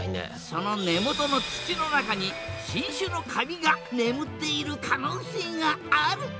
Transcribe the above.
その根元の土の中に新種のカビが眠っている可能性がある！？